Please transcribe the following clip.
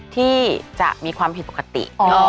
ที่จะมีความผิดปกติ